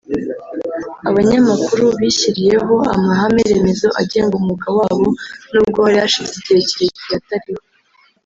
Abanyamakuru bishyiriyeho amahame-remezo agenga umwuga wabo nubwo hari hashize igihe kirekire atariho